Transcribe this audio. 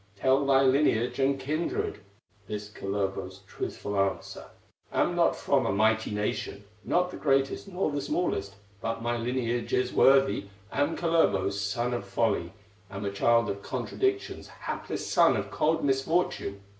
Tell thy lineage and kindred." This, Kullervo's truthful answer: "Am not from a mighty nation, Not the greatest, nor the smallest, But my lineage is worthy: Am Kalervo's son of folly, Am a child of contradictions, Hapless son of cold misfortune.